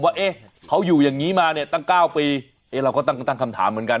ว่าเอ๊ะเขาอยู่อย่างนี้มาเนี่ยตั้ง๙ปีเราก็ตั้งคำถามเหมือนกัน